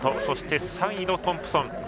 そして３位のトンプソン。